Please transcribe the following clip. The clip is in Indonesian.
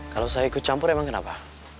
kalau saya ikut campur emang kenapa